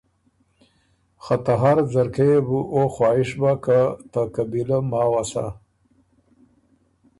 خه ته هر ځرکۀ يې بو اُو خواهش بَۀ که ته قبیلۀ ماوه سَۀ